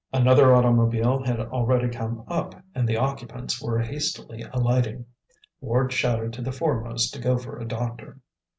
Another automobile had already come up and the occupants were hastily alighting. Ward shouted to the foremost to go for a doctor.